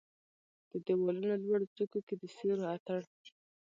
د د یوالونو لوړو څوکو کې د سیورو اټن